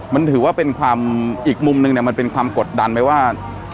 มันถือว่าเป็นความอีกมุมนึงเนี่ยมันเป็นความกดดันไหมว่า